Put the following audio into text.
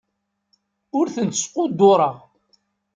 Ur tent-squddureɣ.